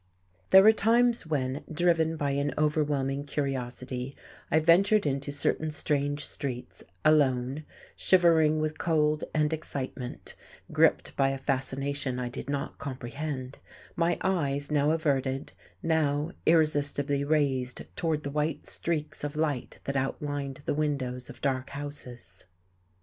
There were times when, driven by an overwhelming curiosity, I ventured into certain strange streets, alone, shivering with cold and excitement, gripped by a fascination I did not comprehend, my eyes now averted, now irresistibly raised toward the white streaks of light that outlined the windows of dark houses....